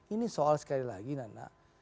ini soal sekali lagi nana